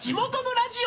ラジオ？